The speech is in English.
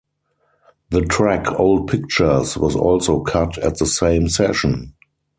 The track "Old Pictures" was also cut at the same session.